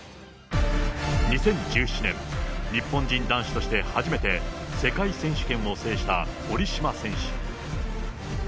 ２０１７年、日本人男子として初めて、世界選手権を制した堀島選手。